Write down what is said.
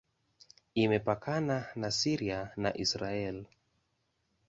Imepakana na Syria na Israel.